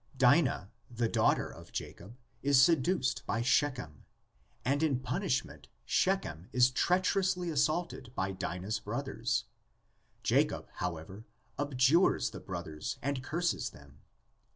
Dinah, the daughter of Jacob, is seduced by Shechem, and in punishment Shechem is treacher ously assaulted by Dinah's brothers; Jacob, how ever, abjures the brothers and curses them.